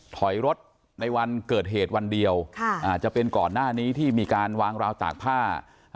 ถอยรถในวันเกิดเหตุวันเดียวจะเป็นก่อนหน้านี้ที่มีการวางราวตากผ้า